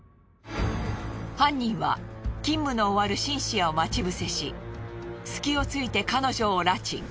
犯人は勤務の終わるシンシアを待ち伏せし隙をついて彼女を拉致。